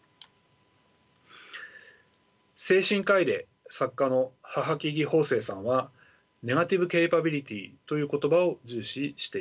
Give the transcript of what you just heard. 精神科医で作家の帚木生さんはネガティブ・ケイパビリティという言葉を重視しています。